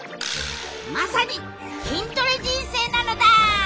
まさに筋トレ人生なのだ！